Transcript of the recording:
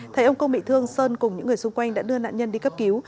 thấy ông công bị thương sơn cùng những người xung quanh đã đưa nạn nhân đi cấp cứu